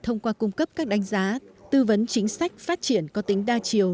thông qua cung cấp các đánh giá tư vấn chính sách phát triển có tính đa chiều